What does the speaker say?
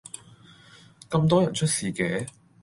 咁多人出事嘅?